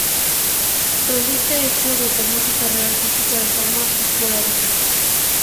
Tras este hecho, retorno su carrera artística de forma esporádica.